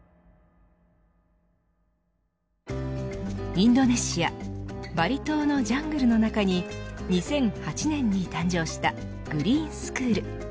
インドネシアバリ島のジャングルの中に２００８年に誕生したグリーンスクール。